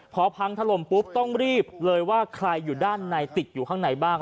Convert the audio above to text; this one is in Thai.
พอพังถล่มปุ๊บต้องรีบเลยว่าใครอยู่ด้านในติดอยู่ข้างในบ้าง